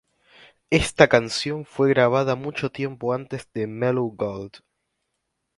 Esta canción fue grabada mucho tiempo antes de "Mellow Gold".